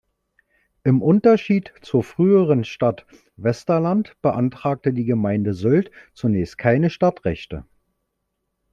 Im Unterschied zur früheren Stadt Westerland beantragte die Gemeinde Sylt zunächst keine Stadtrechte.